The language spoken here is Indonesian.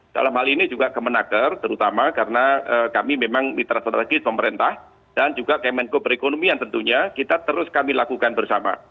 dalam hal ini juga kemenaker terutama karena kami memang mitra strategis pemerintah dan juga kemenko perekonomian tentunya kita terus kami lakukan bersama